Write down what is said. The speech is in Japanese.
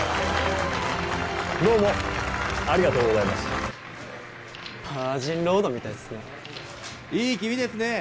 どうもありがとうございますバージンロードみたいっすねいい気味ですねえ